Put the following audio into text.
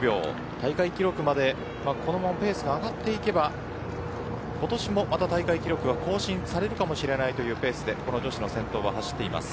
大会記録までこのままペースが上がれば今年もまた大会記録が更新されるかもしれないというペースで先頭は走っています。